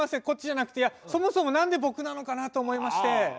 こっちじゃなくてそもそも何で僕なのかなと思いまして。